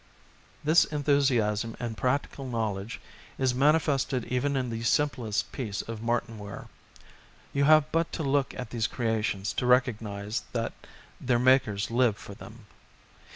This enthusiasm and practical knowledge is mani fested even in the simplest piece of Martinware. You have but to look at these creations to recognise that their makers live for them.